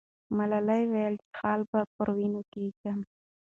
ملالۍ وویل چې خال به پر وینو کښېږدم.